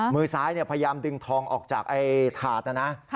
มือซ้ายพยายามดึงทองออกจากถาดนะนะ